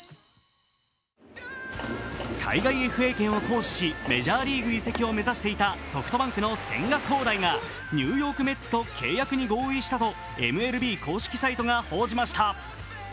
海外ＦＡ権を行使しメジャーリーグ移籍を目指していたソフトバンクの千賀滉大がニューヨーク・メッツと契約に合意したとＭＬＢ公式サイトがほうしました。